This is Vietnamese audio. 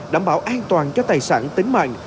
đảm bảo an toàn cho tài sản tính mạnh